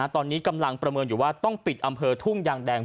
ตอนนี้กำลังประเมินอยู่ว่าต้องปิดอำเภอทุ่งยางแดง